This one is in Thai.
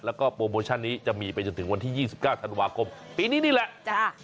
แล้วก็โปรโมชั่นนี้จะมีไปจนถึงวันที่๒๙ธันวาคมปีนี้นี่แหละ